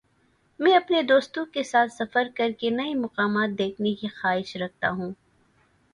میں اپنے دوستوں کے ساتھ سفر کر کے نئی مقامات دیکھنے کی خواہش رکھتا ہوں۔